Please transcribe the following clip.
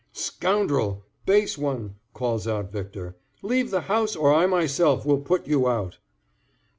"Scoundrel! base one," calls out Victor, "leave the house, or I myself will put you out!"